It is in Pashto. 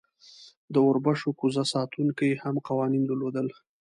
د اوربشو کوزه ساتونکی هم قوانین درلودل.